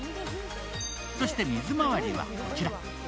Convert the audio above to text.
そして水回りはこちら。